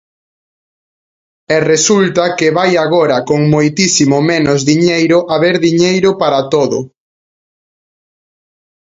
E resulta que vai agora con moitísimo menos diñeiro haber diñeiro para todo.